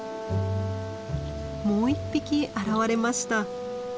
もう１匹現れました。